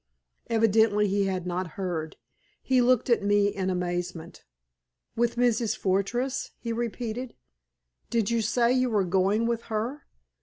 Evidently he had not heard. He looked at me in amazement. "With Mrs. Fortress?" he repeated. "Did you say you were going with her?"